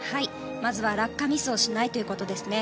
まずは落下ミスをしないということですね。